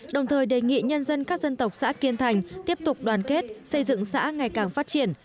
đồng thời đề nghị nhân dân các dân tộc xã kiên thành tiếp tục đoàn kết xây dựng xã ngày càng phát triển